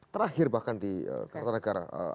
terakhir bahkan di kata negara